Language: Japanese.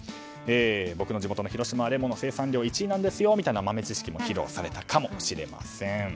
僕の地元の広島はレモンの生産量１位なんですよと豆知識を披露したかもしれません。